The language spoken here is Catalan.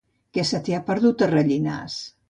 Què se t'hi ha perdut, a Rellinars?